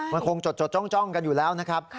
มันคงจดจ้องกันอยู่แล้วนะครับ